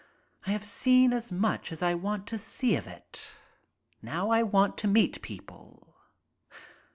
I have seen as much as I want to see of it. Now I want to meet people.